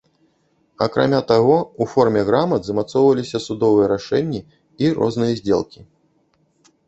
Акрамя таго, у форме грамат замацоўваліся судовыя рашэнні і розныя здзелкі.